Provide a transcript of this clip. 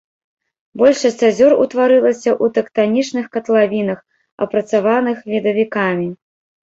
Большасць азёр утварылася ў тэктанічных катлавінах, апрацаваных ледавікамі.